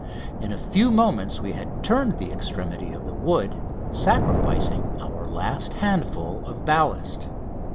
In a few moments we had turned the extremity of the wood, sacrificing our last handful of ballast.